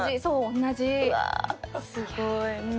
そう同じ。